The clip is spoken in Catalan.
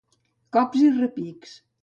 Cops i repics.